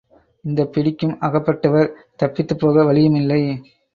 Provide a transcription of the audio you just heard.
இந்த பிடிக்கும் அகப்பட்டவர் தப்பித்துப்போக வழியும் இல்லை.